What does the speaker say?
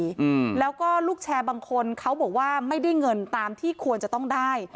อืมแล้วก็ลูกแชร์บางคนเขาบอกว่าไม่ได้เงินตามที่ควรจะต้องได้